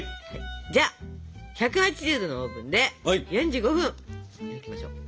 じゃあ１８０℃のオーブンで４５分焼きましょう。